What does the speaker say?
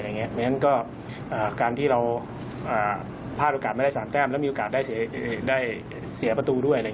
เพราะฉะนั้นก็การที่เราพลาดโอกาสมาได้๓แต้มแล้วมีโอกาสได้เสียประตูด้วย